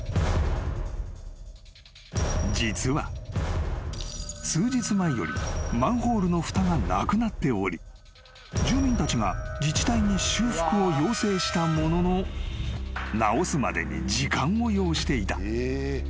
［実は数日前よりマンホールのふたがなくなっており住民たちが自治体に修復を要請したものの直すまでに時間を要していた］